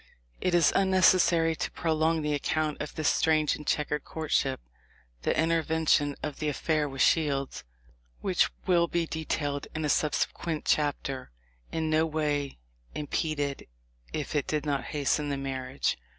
"* It is unnecessary to prolong the account of this strange and checkered courtship. The intervention of the affair with Shields, which will be detailed in a subsequent chapter, in no way impeded, if it did not hasten the marriage.